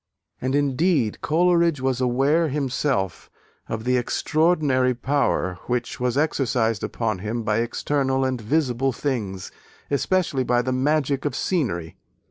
And, indeed, Coleridge was aware himself of the extraordinary power which was exercised upon him by external and visible things, especially by the magic of scenery.